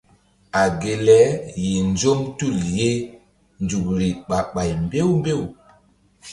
A ge le yih nzɔm tul ye nzukri ɓah ɓay mbew mbew.